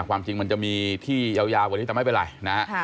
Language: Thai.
ความจริงมันจะมีที่ยาวกว่านี้แต่ไม่เป็นไรนะฮะ